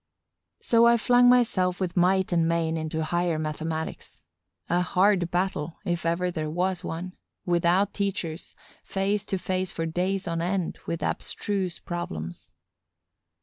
So I flung myself with might and main into higher mathematics: a hard battle, if ever there was one, without teachers, face to face for days on end with abstruse problems.